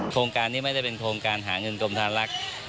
โครงการนี้ไม่ได้เป็นโครงการหาเงินกรมธนลักษณ์